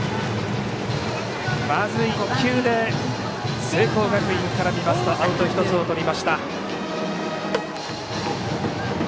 まず１球で聖光学院から見ますとアウト１つをとりました。